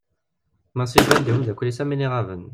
Massi iban-d i umddakel-is am win iɣaben.